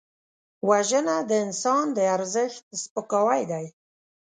وژنه د انسان د ارزښت سپکاوی دی